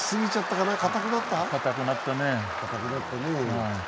かたくなったね。